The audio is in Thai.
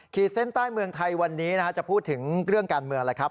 เส้นใต้เมืองไทยวันนี้จะพูดถึงเรื่องการเมืองแล้วครับ